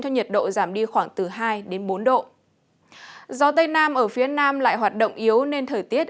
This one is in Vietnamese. nhiệt độ giảm đi khoảng từ hai đến bốn độ gió tây nam ở phía nam lại hoạt động yếu nên thời tiết